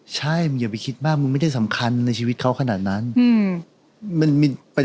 จริงเข้าที่ฟังมา